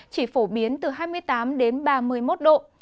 chỉ phổ biến từ hai mươi tám đến ba mươi một độ